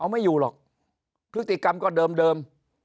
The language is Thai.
พฤติกรรมก็เดิม